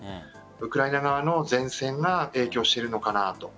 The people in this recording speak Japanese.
ウクライナ側の善戦が影響しているのかなと。